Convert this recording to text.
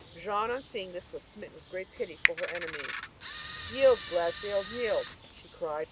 Jeanne, on seeing this, was smitten with great pity for her enemies. "Yield, Glasdale, yield!" she cried.